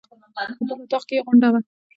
په بل اطاق کې یې غونډه وه.